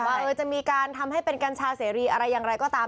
ว่าจะมีการทำให้เป็นกัญชาเสรีอะไรอย่างไรก็ตาม